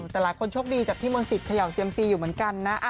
แต่หลายคนโชคดีจากพี่มณศิษย์ขยังเตรียมปีอยู่เหมือนกันนะ